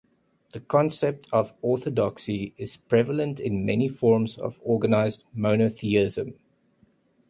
The concept of orthodoxy is prevalent in many forms of organized monotheism.